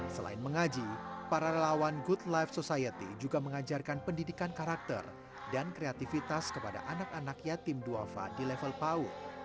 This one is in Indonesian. selain mengaji para relawan good life society juga mengajarkan pendidikan karakter dan kreativitas kepada anak anak yatim duafa di level pau